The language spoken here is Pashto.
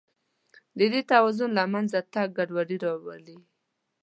د دې توازن له منځه تګ ګډوډي راولي.